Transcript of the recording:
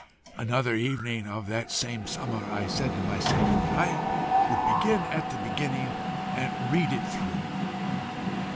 "Another evening of that same summer, I said to myself that I would begin at the beginning and read it through.